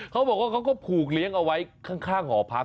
เขาบอกว่าเขาก็ผูกเลี้ยงเอาไว้ข้างหอพัก